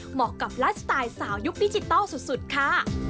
เหมาะกับไลฟ์สไตล์สาวยุคดิจิทัลสุดค่ะ